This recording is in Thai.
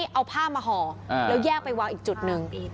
เอาผ้ามาห่อแล้วแยกไปวางอีกจุดหนึ่ง